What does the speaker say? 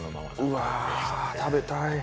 うわー、食べたい。